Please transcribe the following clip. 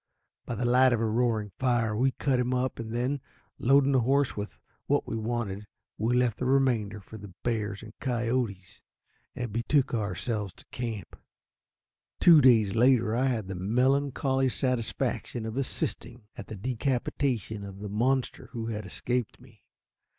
By the light of a roaring fire we cut him up, and then, loading the horse with what we wanted, we left the remainder for the bears and coyotes, and betook ourselves to camp. Two days later I had the melancholy satisfaction of assisting at the decapitation of the monster who had escaped me.